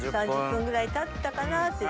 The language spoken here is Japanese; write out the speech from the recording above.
３０分ぐらいたったかなって。